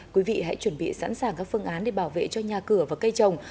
quý vị hãy chuẩn bị sẵn sàng các phương án để bảo vệ cho nhà cửa và cây trồng